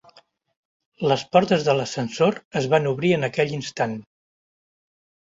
Les portes de l'ascensor es van obrir en aquell instant.